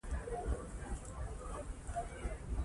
که بزګر وي نو فصل نه وچېږي.